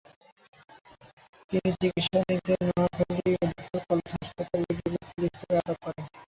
তিনি চিকিত্সা নিতে নোয়াখালী মেডিকেল কলেজ হাসপাতালে গেলে পুলিশ তাঁকে আটক করে।